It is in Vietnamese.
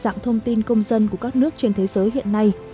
dạng thông tin công dân của các nước trên thế giới hiện nay